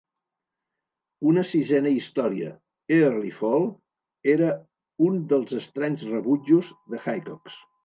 Una sisena història, "Early Fall", era un dels estranys rebutjos de Haycox.